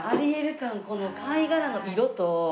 この貝殻の色と。